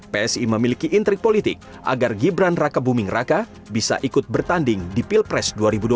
psi memiliki intrik politik agar gibran raka buming raka bisa ikut bertanding di pilpres dua ribu dua puluh